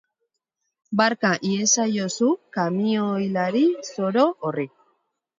Barka iezaiozu kamioilari zoro horri.